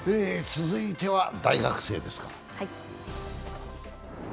続いては大学生ですか。